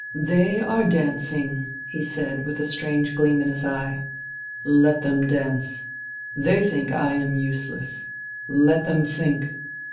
" They are dancing, he said, with a strange gleam in his eye. " Let them dance. They think I am useless. Let them think.